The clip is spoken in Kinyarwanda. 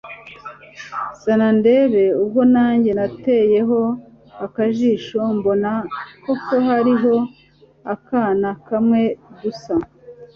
zana ndebe! ubwo nanjye nateyeho akajisho, mbona koko hariho akana kamwe dusa